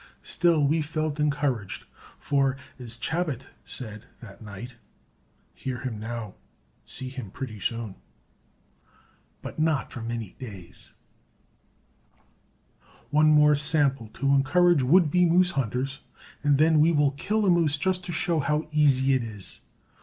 Still we felt encouraged, for, as Chabot said that night, "Hear him now, see him pretty soon." But not for many days. One more sample to encourage would be moose hunters, and then we will kill a moose just to show how easy it is.